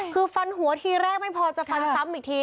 คือฟันหัวทีแรกไม่พอจะฟันซ้ำอีกที